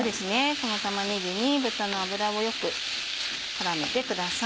この玉ねぎに豚の脂をよく絡めてください。